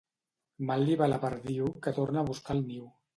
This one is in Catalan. Mal li va a la perdiu que torna a buscar el niu.